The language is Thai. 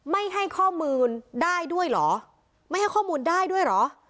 ไม่ให้ข้อมูลได้ด้วยเหรอไม่ให้ข้อมูลได้ด้วยเหรอ